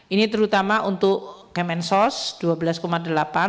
ini terutama untuk kementerian sosial dua belas delapan triliun rupiah